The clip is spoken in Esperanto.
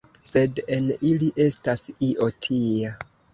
Sed en ili estas io tia!